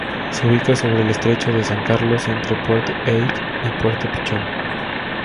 Se ubica sobre el estrecho de San Carlos, entre Puerto Egg y Puerto Pichón.